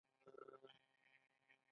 آیا پښتون یو غیرتي قوم نه دی؟